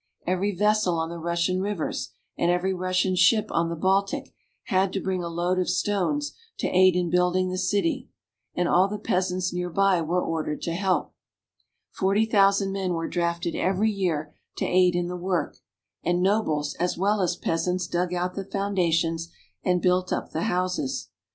Every vessel on the Russian rivers and every Russian ship on the Baltic had to bring a load of stones to aid in building the city, and all the peasants near by were ordered to help. Forty thousand men were drafted every year to aid in the work, and nobles as well as peasants dug out the ■the emperor lived in a little house by the river.' foundations and built up the houses.